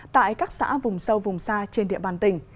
tại các xã vùng sâu vùng xa trên địa bàn tỉnh